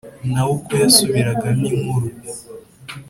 nawe uko yasubiragamo inkuru